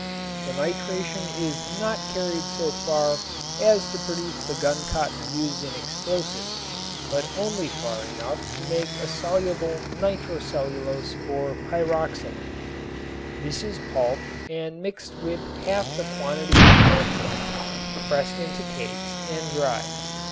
The nitration is not carried so far as to produce the guncotton used in explosives but only far enough to make a soluble nitrocellulose or pyroxylin. This is pulped and mixed with half the quantity of camphor, pressed into cakes and dried.